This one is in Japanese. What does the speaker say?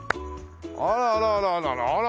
あらあらあらあららら。